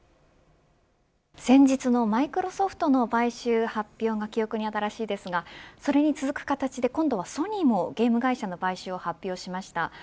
先日のマイクロソフトの買収発表が記憶に新しいですがそれに続く形で今度はソニーもゲーム会社の買収を発表しました。